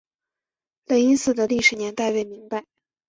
雷音寺的历史年代为明代。